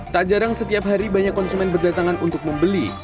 tak jarang setiap hari banyak konsumen berdatangan untuk membeli